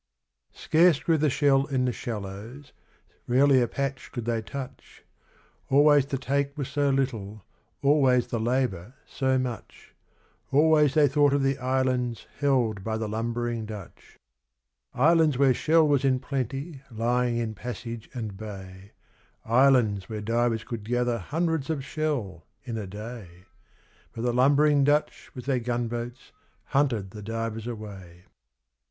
..... Scarce grew the shell in the shallows, rarely a patch could they touch; Always the take was so little, always the labour so much; Always they thought of the Islands held by the lumbering Dutch, Islands where shell was in plenty lying in passage and bay, Islands where divers could gather hundreds of shell in a day: But the lumbering Dutch, with their gunboats, hunted the divers away.